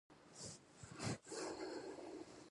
پښتون ژغورني غورځنګ يو سوله ايز پاڅون دي